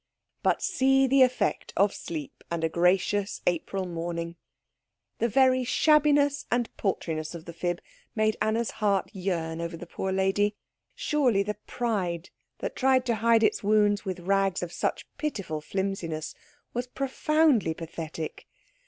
But see the effect of sleep and a gracious April morning. The very shabbiness and paltriness of the fib made Anna's heart yearn over the poor lady. Surely the pride that tried to hide its wounds with rags of such pitiful flimsiness was profoundly pathetic?